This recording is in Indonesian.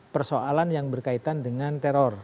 persoalan yang berkaitan dengan teror